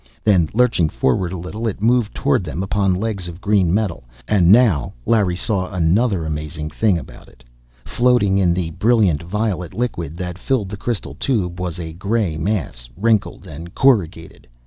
Then, lurching forward a little, it moved toward them upon legs of green metal. And now Larry saw another amazing thing about it. Floating in the brilliant violet liquid that filled the crystal tube was a gray mass, wrinkled and corrugated.